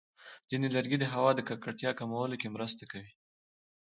ځینې لرګي د هوا د ککړتیا کمولو کې مرسته کوي.